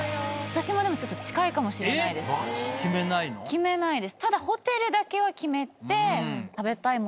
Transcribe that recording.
決めないですただ。